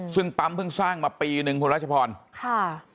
ซึ่งปั๊มเพิ่งสร้างมาปีนึงคุณรัชพรค่ะ